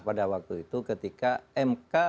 pada waktu itu ketika mk